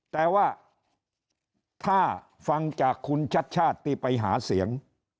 แต่ว่าถ้าฟังจากคุณชัดชาติที่ไปหาเสียง